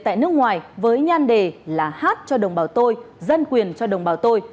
tại nước ngoài với nhan đề là hát cho đồng bào tôi dân quyền cho đồng bào tôi